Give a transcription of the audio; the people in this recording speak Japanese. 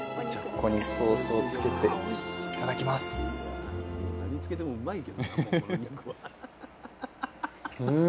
ここにソースをつけて頂きます。